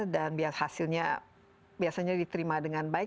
dan biar hasilnya biasanya diterima dengan baik